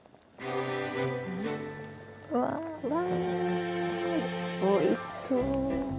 うわわいおいしそう！